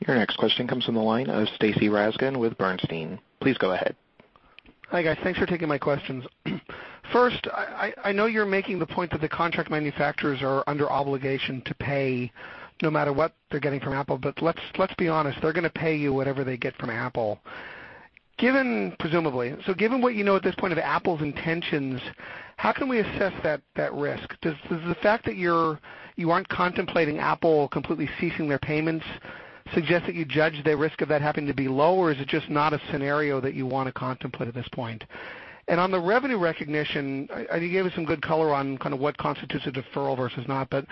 Your next question comes from the line of Stacy Rasgon with Bernstein. Please go ahead. Hi, guys. Thanks for taking my questions. First, I know you're making the point that the contract manufacturers are under obligation to pay no matter what they're getting from Apple, but let's be honest, they're going to pay you whatever they get from Apple, presumably. Given what you know at this point of Apple's intentions, how can we assess that risk? Does the fact that you aren't contemplating Apple completely ceasing their payments suggest that you judge the risk of that happening to be low, or is it just not a scenario that you want to contemplate at this point? On the revenue recognition, you gave us some good color on kind of what constitutes a deferral versus not, but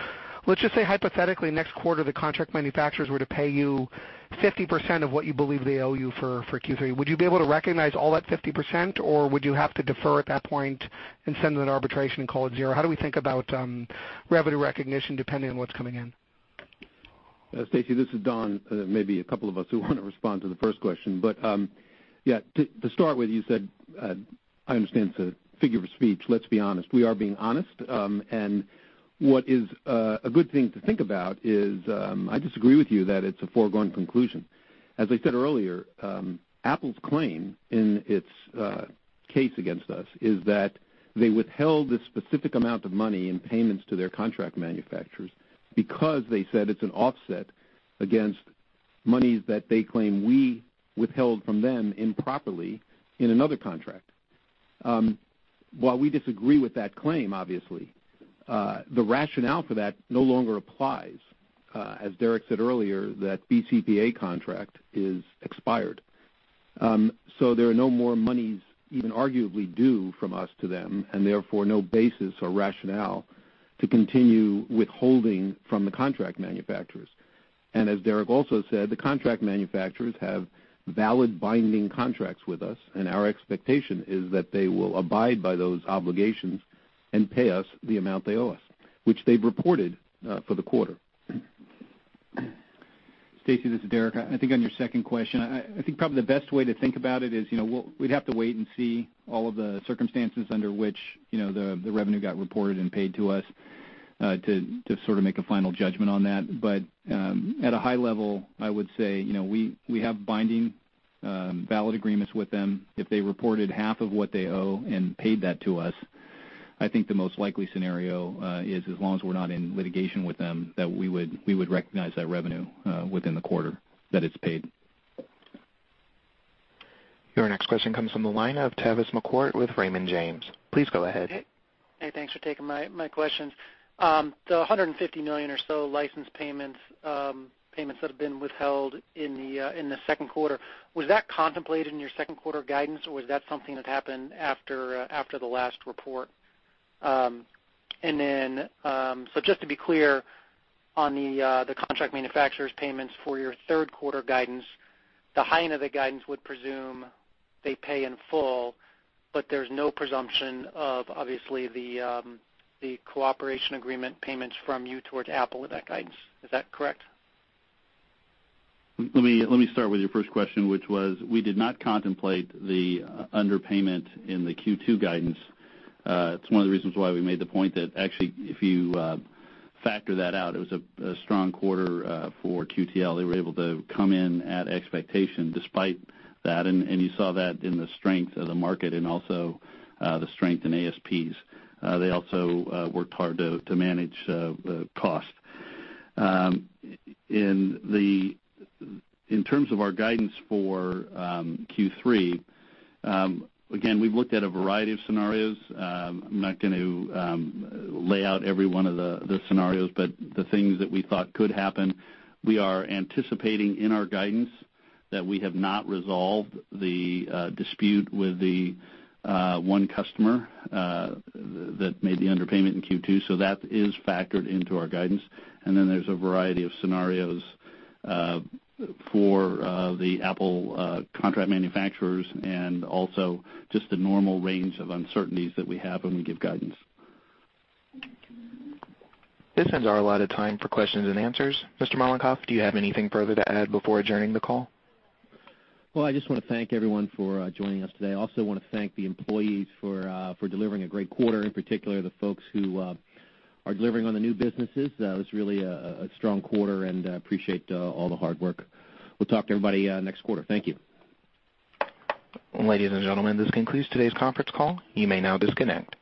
let's just say hypothetically, next quarter, the contract manufacturers were to pay you 50% of what you believe they owe you for Q3. Would you be able to recognize all that 50%, or would you have to defer at that point and send them an arbitration and call it zero? How do we think about revenue recognition depending on what's coming in? Stacy, this is Don. Maybe a couple of us who want to respond to the first question. To start with, you said, I understand it's a figure of speech, let's be honest, we are being honest. What is a good thing to think about is, I disagree with you that it's a foregone conclusion. As I said earlier, Apple's claim in its case against us is that they withheld a specific amount of money in payments to their contract manufacturers because they said it's an offset against monies that they claim we withheld from them improperly in another contract. While we disagree with that claim, obviously, the rationale for that no longer applies. As Derek said earlier, that BCPA contract is expired. There are no more monies even arguably due from us to them, and therefore, no basis or rationale to continue withholding from the contract manufacturers. As Derek also said, the contract manufacturers have valid binding contracts with us, and our expectation is that they will abide by those obligations and pay us the amount they owe us, which they've reported for the quarter. Stacy, this is Derek. I think on your second question, I think probably the best way to think about it is, we'd have to wait and see all of the circumstances under which the revenue got reported and paid to us, to sort of make a final judgment on that. At a high level, I would say, we have binding, valid agreements with them. If they reported half of what they owe and paid that to us, I think the most likely scenario is as long as we're not in litigation with them, that we would recognize that revenue within the quarter that it's paid. Your next question comes from the line of Tavis McCourt with Raymond James. Please go ahead. Hey, thanks for taking my questions. The $150 million or so license payments that have been withheld in the second quarter, was that contemplated in your second quarter guidance, or was that something that happened after the last report? Just to be clear on the contract manufacturer's payments for your third quarter guidance, the high end of the guidance would presume they pay in full, but there's no presumption of, obviously, the cooperation agreement payments from you towards Apple in that guidance. Is that correct? Let me start with your first question, which was, we did not contemplate the underpayment in the Q2 guidance. It's one of the reasons why we made the point that actually, if you factor that out, it was a strong quarter for QTL. They were able to come in at expectation despite that, and you saw that in the strength of the market and also the strength in ASPs. They also worked hard to manage cost. In terms of our guidance for Q3, again, we've looked at a variety of scenarios. I'm not going to lay out every one of the scenarios, but the things that we thought could happen, we are anticipating in our guidance that we have not resolved the dispute with the one customer that made the underpayment in Q2. That is factored into our guidance. There's a variety of scenarios for the Apple contract manufacturers and also just the normal range of uncertainties that we have when we give guidance. This ends our allotted time for questions and answers. Mr. Mollenkopf, do you have anything further to add before adjourning the call? Well, I just want to thank everyone for joining us today. I also want to thank the employees for delivering a great quarter, in particular, the folks who are delivering on the new businesses. It was really a strong quarter, and I appreciate all the hard work. We'll talk to everybody next quarter. Thank you. Ladies and gentlemen, this concludes today's conference call. You may now disconnect.